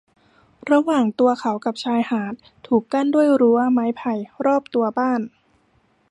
ระหว่างตัวเขากับชายหาดถูกกั้นด้วยรั้วไม้ไผ่รอบตัวบ้าน